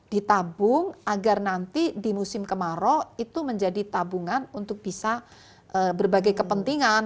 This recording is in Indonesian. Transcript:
ditabung agar nanti di musim kemarau itu menjadi tabungan untuk bisa berbagai kepentingan